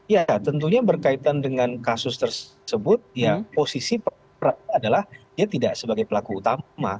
ya tentunya berkaitan dengan kasus tersebut ya posisi pertama adalah dia tidak sebagai pelaku utama